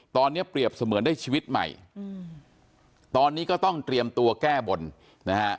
ตอนนี้เปรียบเสมือนได้ชีวิตใหม่อืมตอนนี้ก็ต้องเตรียมตัวแก้บนนะฮะ